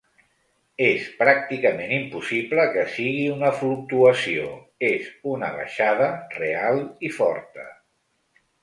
És pràcticament impossible que sigui una fluctuació, és una baixada real i forta.